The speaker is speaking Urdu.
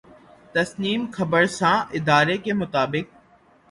تسنیم خبررساں ادارے کے مطابق